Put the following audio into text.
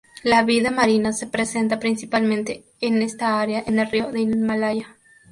La vida marina se presenta principalmente en esta área, en el río del Himalaya